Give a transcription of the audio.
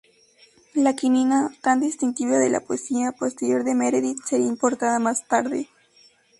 La quinina, tan distintiva de la poesía posterior de Meredith, sería importada más tarde.